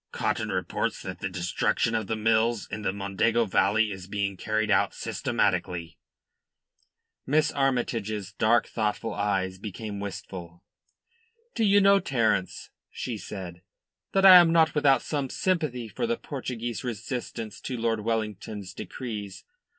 Cotton reports that the destruction of the mills in the Mondego valley is being carried out systematically." Miss Armytage's dark, thoughtful eyes became wistful. "Do you know, Terence," she said, "that I am not without some sympathy for the Portuguese resistance to Lord Wellington's decrees.